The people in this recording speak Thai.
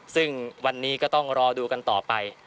ซึ่งวันนี้ก็ต้องรอดูกันต่อไป